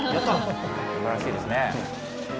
すばらしいですね。